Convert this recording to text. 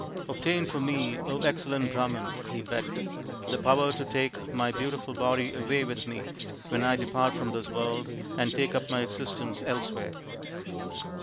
" Obtain for me, excellent Brahman," he begged, " the power to take my beautiful body away with me when I depart from this world to take up my existence elsewhere."